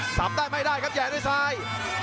ทรัพย์ได้ไม่ได้แหลมด้วยทราย